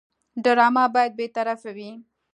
ډرامه باید بېطرفه وي